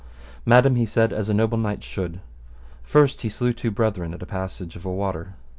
Madam, he said, as a noble knight should. First, he slew two brethren at a passage of a water.